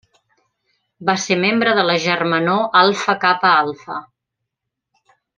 Va ser membre de la germanor Alfa Kappa Alfa.